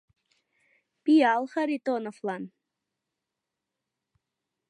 Пиал Харитоновлан.